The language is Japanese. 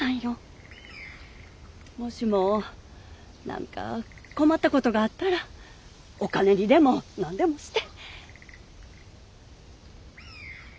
もしも何か困ったことがあったらお金にでも何でもして。